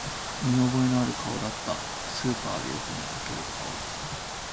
見覚えのある顔だった、スーパーでよく見かける顔